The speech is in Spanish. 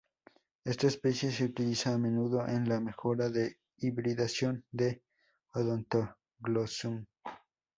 Esta especie se utiliza a menudo en la mejora de hibridación de odontoglossum.